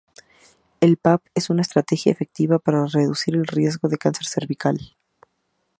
El pap es una estrategia efectiva para reducir el riesgo de cáncer cervical.